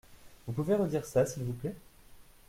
Vous pouvez redire ça s’il vous plait ?